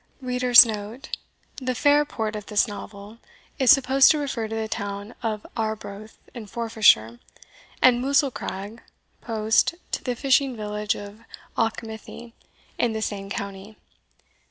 * [The "Fairport" of this novel is supposed to refer to the town of * Arbroath, in Forfarshire, and "Musselcrag," post, to the fishing village of * Auchmithie, in the same county.